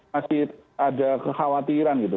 masih ada kekhawatiran gitu